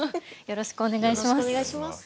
よろしくお願いします。